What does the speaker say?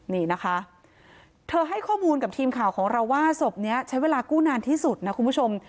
นี่นะคะเธอให้ข้อมูลกับทีมข่าวของเราว่าศพนี้ใช้เวลากู้นานที่สุดนะคุณผู้ชม